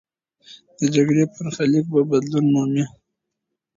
د جګړې برخلیک به بدلون مومي.